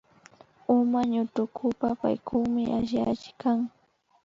Uma ñutukupa Paykukmi alli alli kan